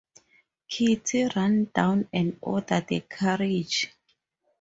Kitty, run down and order the carriage.